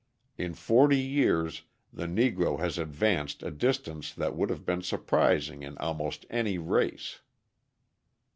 In forty years the Negro has advanced a distance that would have been surprising in almost any race.